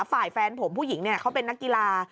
ฝ่ายแฟนผมผู้หญิงเขาเป็นนักกีฬา